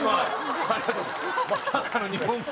まさかの日本語。